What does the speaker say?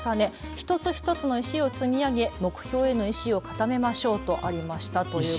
一つ一つの石を積み上げ目標への意志を固めましょうとありましたということです。